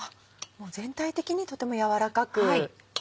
全体的にとても軟らかく。